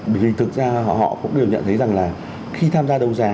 bởi vì thực ra họ cũng đều nhận thấy rằng là khi tham gia đấu giá